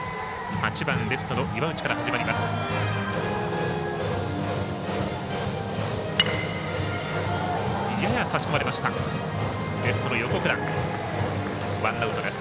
８番、レフトの岩内から始まります。